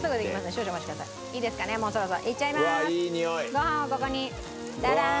ご飯をここにダダーン！